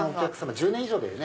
１０年以上だよね。